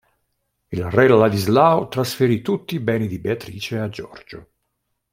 Il re Ladislao trasferì tutti i beni di Beatrice a Giorgio.